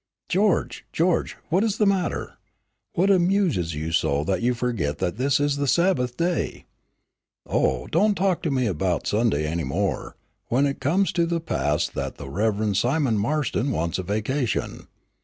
"George, George, what is the matter. What amuses you so that you forget that this is the Sabbath day?" "Oh, don't talk to me about Sunday any more, when it comes to the pass that the Reverend Simon Marston wants a vacation.